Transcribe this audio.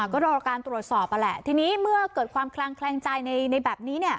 ก็ต้องการตรวจสอบอะแหละทีนี้เมื่อเกิดความคลังใจในแบบนี้